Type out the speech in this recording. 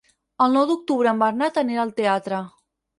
El nou d'octubre en Bernat anirà al teatre.